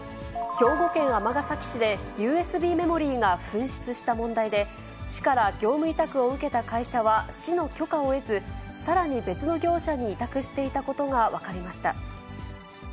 兵庫県尼崎市でＵＳＢメモリーが紛失した問題で、市から業務委託を受けた会社は、市の許可を得ず、さらに別の業者に委託していたことが分かりました。